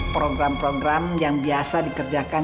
program program yang biasa dikerjakan